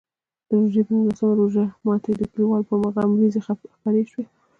د روژې په نولسم روژه ماتي د کلیوالو پر مخ غم وریځې خپرې شوې.